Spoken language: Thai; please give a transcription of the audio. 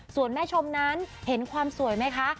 ส่วนแม่ชมนั้นเห็นความสวยไหมคะ